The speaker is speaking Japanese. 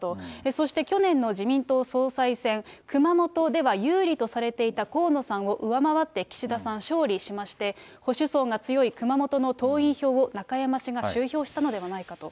そして去年の自民党総裁選、熊本では有利とされていた河野さんを上回って岸田さん勝利しまして、保守層が強い熊本の党員票を中山氏が集票したのではないかと。